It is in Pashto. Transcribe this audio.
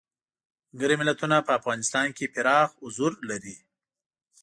ملګري ملتونه په افغانستان کې پراخ حضور لري.